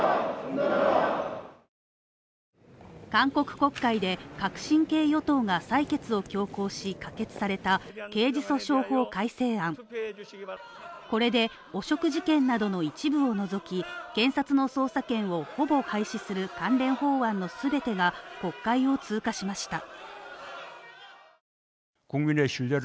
韓国国会で革新系与党が採決を強行し、可決された刑事訴訟法改正案、これで汚職事件などの一部を除き、検察の捜査権をほぼ廃止する関連法案の全てが国会を通過しました。